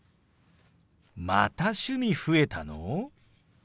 また趣味増えたの！？